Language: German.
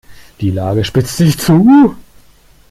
Die Lage spitzt sich zu.